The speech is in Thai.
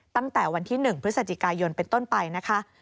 ตั้งแต่วันที่๑พฤศจิกายนเป็นต้นไปนะคะ